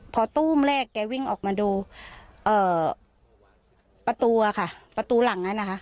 พอตู้มแรกแกวิ่งออกมาดูเอ่อประตูอะค่ะประตูหลังนั้นนะคะ